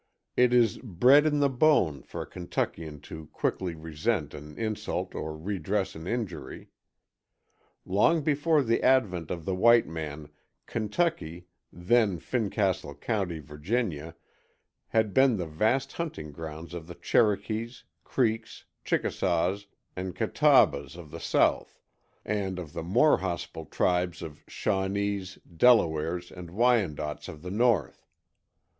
It is "bred in the bone" for a Kentuckian to quickly resent an insult or redress an injury. Long before the advent of the white man Kentucky, then Fincastle County, Virginia, had been the vast hunting grounds of the Cherokees, Creeks, Chickasaws and Catawbas of the South, and of the more hostile tribes of Shawnees, Delawares and Wyandots of the North.